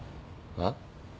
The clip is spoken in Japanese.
あっ？